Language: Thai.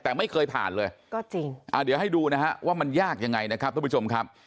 แต่ไม่เคยผ่านเลยก็จริงอ่าเดี๋ยวให้ดูนะฮะว่ามันยากยังไงนะครับทุกผู้ชมครับ